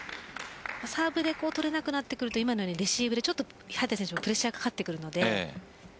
サーブで取れなくなってくると今のようにレシーブでプレッシャーがかかってくるので。